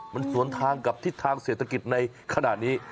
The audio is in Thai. มันสวนทางกับทิศทางเศรษฐกิจในขณะนี้